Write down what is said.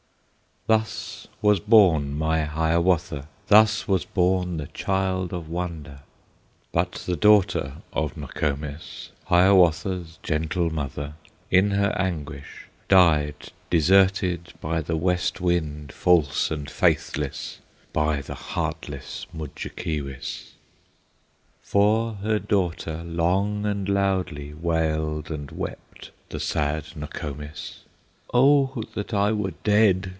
Thus was born my Hiawatha, Thus was born the child of wonder; But the daughter of Nokomis, Hiawatha's gentle mother, In her anguish died deserted By the West Wind, false and faithless, By the heartless Mudjekeewis. For her daughter long and loudly Wailed and wept the sad Nokomis; "Oh that I were dead!"